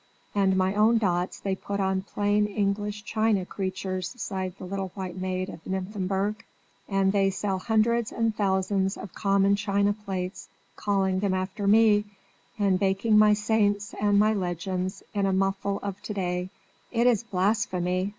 "And my own dots they put on plain English china creatures!" sighed the little white maid of Nymphenburg. "And they sell hundreds and thousands of common china plates, calling them after me, and baking my saints and my legends in a muffle of to day; it is blasphemy!"